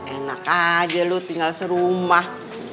enak aja lo tinggal serumah